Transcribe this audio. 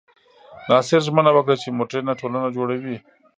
ناصر ژمنه وکړه چې موډرنه ټولنه جوړوي.